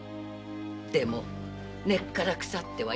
でも根っから腐ってはいません。